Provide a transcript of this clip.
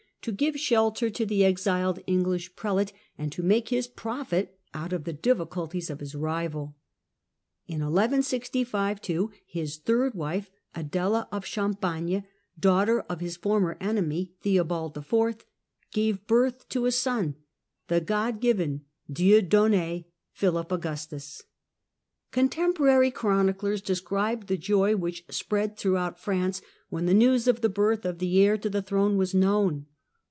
to give shelter to the exiled English prelate, and to make his profit out of the difficulties of his rival. In 1165, too, his third wife, Adela of Champagne, daughter Birth of of his former enemy Theobald IV., gave birth to a son, Ai/^stus, the " God given " (Dieudonn^) Philip Augustus. Con ^^^^ temporary chroniclers describe the joy which spread throughout France when the news of the birth of the heir to the throne was known.